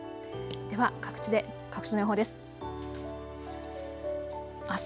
では各地の予報です。